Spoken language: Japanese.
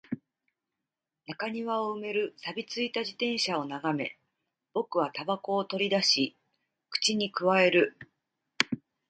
中庭を埋める錆び付いた自転車を眺め、僕は煙草を取り出し、口に咥える